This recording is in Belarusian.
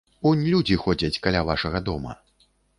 Унь людзі ходзяць каля вашага дома.